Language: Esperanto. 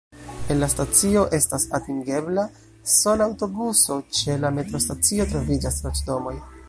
El la stacio estas atingebla sola aŭtobuso, ĉe la metrostacio troviĝas loĝdomoj.